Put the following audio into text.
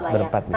berempat lah ya